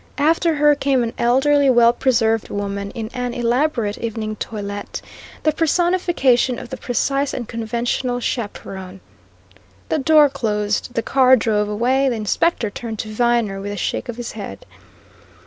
After her came an elderly, well preserved woman in an elaborate evening toilette, the personification of the precise and conventional chaperon. The door closed; the car drove away; the Inspector turned to Viner with a shake of his head.